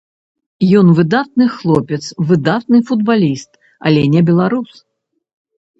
Ён выдатны хлопец, выдатны футбаліст, але не беларус.